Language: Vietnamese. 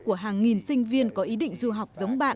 của hàng nghìn sinh viên có ý định du học giống bạn